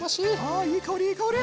あいい香りいい香り！